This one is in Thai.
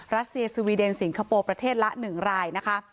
รัสเซียสวีเดนสิงคโปร์ประเทศละ๑รายนะคะ